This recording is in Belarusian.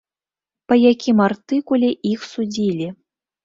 Па якім артыкуле іх судзілі?